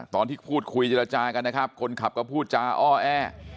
ตอนที่พูดคุยเจรจากันนะครับคนขับก็พูดจาอ้อแอ